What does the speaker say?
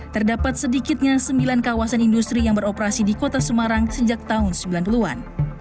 terdapat sedikitnya sembilan kawasan industri yang beroperasi di kota semarang sejak tahun sembilan puluh an